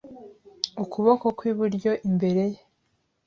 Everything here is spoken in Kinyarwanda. ukuboko kw'iburyo imbere ye.